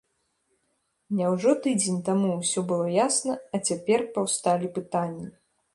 Няўжо тыдзень таму ўсё было ясна, а цяпер паўсталі пытанні?